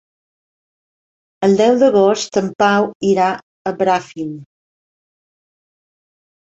El deu d'agost en Pau irà a Bràfim.